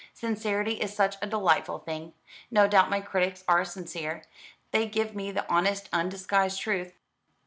"Sincerity is such a delightful thing. No doubt my critics are sincere. They give me the honest undisguised truth."